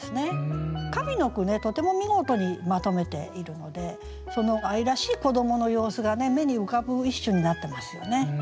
上の句ねとても見事にまとめているのでその愛らしい子どもの様子が目に浮かぶ一首になってますよね。